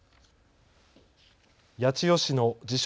八千代市の自称